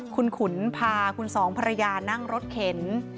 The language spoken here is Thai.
คุณขุนพาคุณสองภรรยานั่งรถเข็น